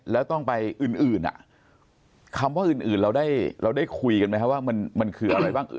แล้วต้องไปอื่นอื่นอ่ะคำว่าอื่นอื่นเราได้เราได้คุยกันไหมคะว่ามันมันคืออะไรบ้าง